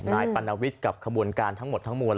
นายปัณวิทย์กับขบวนการทั้งหมดทั้งมวล